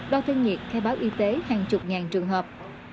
đo thân nhiệt khai báo y tế hàng chục ngàn trường hợp